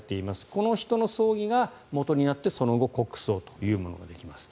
この人の葬儀がもとになってその後国葬というものができます。